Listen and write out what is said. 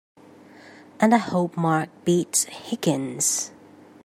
And I hope Mark beats Higgins!